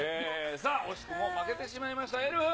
さあ、惜しくも負けてしまいました、エルフ。